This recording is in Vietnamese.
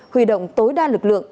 huy động tối đa lực lượng